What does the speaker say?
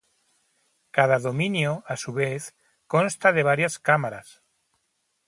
Cada dominio a su vez consta de varias cámaras.